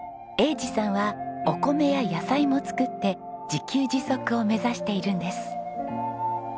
栄治さんはお米や野菜も作って自給自足を目指しているんです。